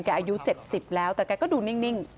อายุ๗๐แล้วแต่แกก็ดูนิ่ง